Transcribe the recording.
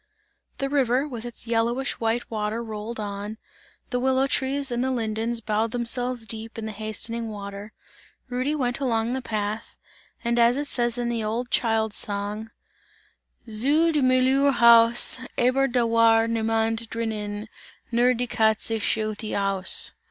The river, with its yellowish white water rolled on; the willow trees and the lindens bowed themselves deep in the hastening water; Rudy went along the path, and as it says in the old child's song: Zu des Müllers Haus, Aber da war Niemand drinnen Nur die Katze schaute aus!